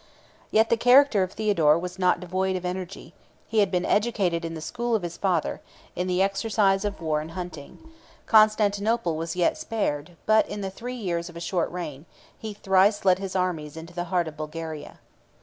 6 Yet the character of Theodore was not devoid of energy; he had been educated in the school of his father, in the exercise of war and hunting; Constantinople was yet spared; but in the three years of a short reign, he thrice led his armies into the heart of Bulgaria.